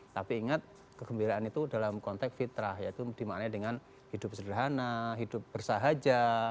tapi ingat kegembiraan itu dalam konteks fitrah yaitu dimaknai dengan hidup sederhana hidup bersahaja